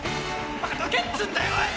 バカ！どけっつうんだよおい！